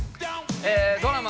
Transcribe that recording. ◆ドラマ